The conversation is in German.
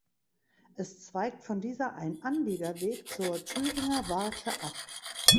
Es zweigt von dieser ein Anliegerweg zur Thüringer Warte ab.